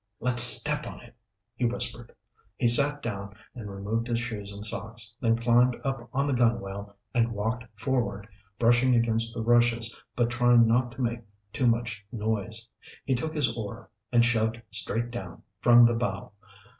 "Let's step on it, he whispered. He sat down and removed his shoes and socks, then climbed up on the gunwale and walked forward, brushing against the rushes but trying not to make too much noise. He took his oar and shoved straight down from the bow.